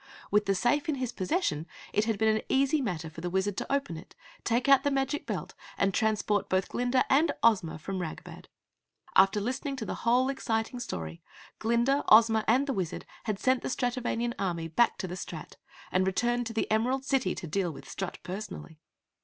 With the safe in his possession, it had been an easy matter for the Wizard to open it, take out the magic belt and transport both Glinda and Ozma from Ragbad. After listening to the whole, exciting story Glinda, Ozma and the Wizard had sent the Stratovanian army back to the Strat and returned to the Emerald City to deal with Strut, personally.